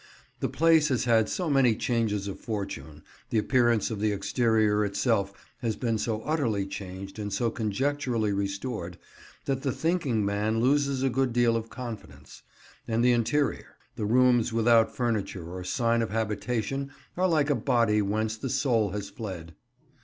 The place has had so many changes of fortune, the appearance of the exterior itself has been so utterly changed and so conjecturally restored, that the thinking man loses a good deal of confidence. And the interior: the rooms without furniture or sign of habitation are like a body whence the soul has fled.